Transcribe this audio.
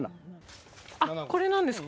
これなんですか？